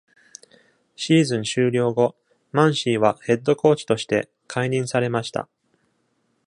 シーズン終了後、マンシーはヘッドコーチとして解任されました。